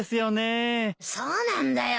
そうなんだよ。